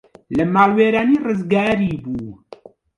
لە ماڵوێرانی ڕزگاری بوو